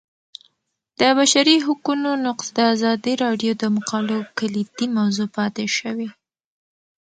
د بشري حقونو نقض د ازادي راډیو د مقالو کلیدي موضوع پاتې شوی.